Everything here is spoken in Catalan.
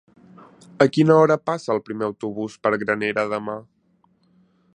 A quina hora passa el primer autobús per Granera demà?